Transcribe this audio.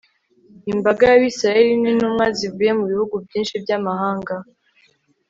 imbaga y'abisirayeli n'intumwa zivuye mu bihugu byinshi by'amahanga